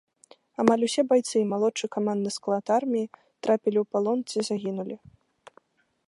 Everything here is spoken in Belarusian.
Амаль усе байцы і малодшы камандны склад арміі трапілі ў палон ці загінулі.